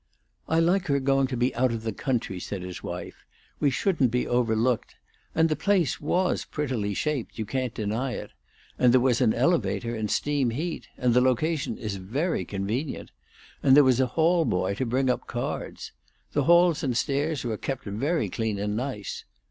"I like her going to be out of the country," said his wife. "We shouldn't be overlooked. And the place was prettily shaped, you can't deny it. And there was an elevator and steam heat. And the location is very convenient. And there was a hall boy to bring up cards. The halls and stairs were kept very clean and nice.